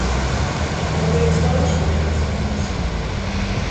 გარდაიცვალა შვილების გარეშე.